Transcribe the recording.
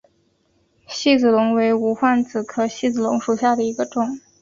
细子龙为无患子科细子龙属下的一个种。